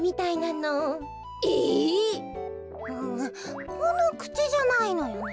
うんこのくちじゃないのよね。